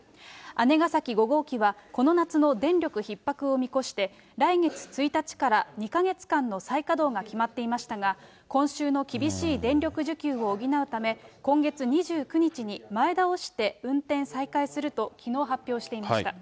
姉崎５号機はこの夏の電力ひっ迫を見越して、来月１日から２か月間の再稼働が決まっていましたが、今週の厳しい電力需給を補うため、今月２９日に前倒して運転再開すると、きのう発表していました。